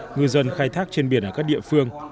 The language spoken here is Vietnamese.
ngư dân khai thác trên biển ở các địa phương